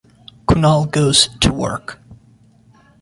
Kunal goes to work.